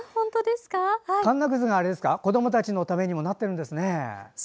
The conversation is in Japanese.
かんなくずが子どもたちのためにもなってるんですね。